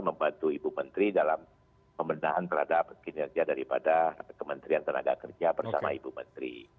membantu ibu menteri dalam pembendahan terhadap kinerja daripada kementerian tenaga kerja bersama ibu menteri